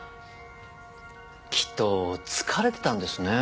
きっと疲れてたんですね。